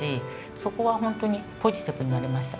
そこは本当にポジティブになれました。